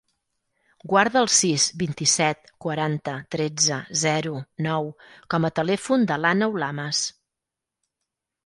Guarda el sis, vint-i-set, quaranta, tretze, zero, nou com a telèfon de l'Àneu Lamas.